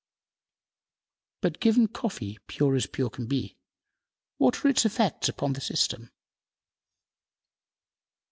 But, given coffee pure as pure can be, what are its effects upon the system?